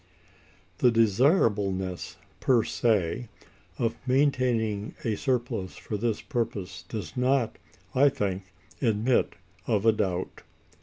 The desirableness, per se, of maintaining a surplus for this purpose does not, I think, admit of a doubt.